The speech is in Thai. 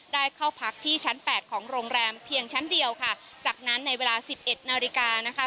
ได้เข้าพักที่ชั้นแปดของโรงแรมเพียงชั้นเดียวค่ะจากนั้นในเวลาสิบเอ็ดนาฬิกานะคะ